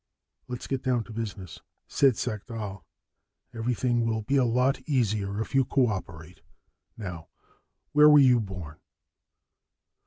"Let's get down to business," said Sagdahl. "Everything will be a lot easier if you cooperate. Now, where were you born?"